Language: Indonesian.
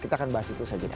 kita akan bahas itu saja